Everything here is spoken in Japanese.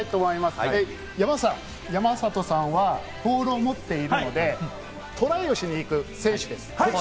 山里さんはボールを持っているので、トライをしに行く選手です。